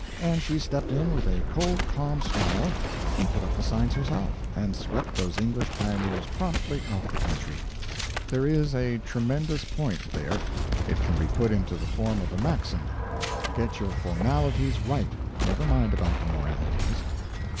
and she stepped in with a cold calm smile and put up the signs herself, and swept those English pioneers promptly out of the country. There is a tremendous point there. It can be put into the form of a maxim: Get your formalities right never mind about the moralities.